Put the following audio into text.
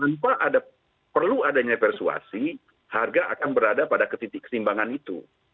tanpa ada perlu adanya persuasi harga akan berada pada ketitik keseimbangan itu